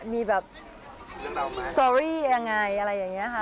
มีแบบสตอรี่ยังไงอะไรอย่างนี้ค่ะ